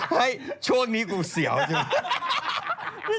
ให้ช่วงนี้เขาเสี่ยวใช่มะ